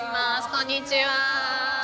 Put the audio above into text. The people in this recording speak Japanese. こんにちはー！